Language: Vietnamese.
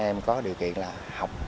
các em có điều kiện là học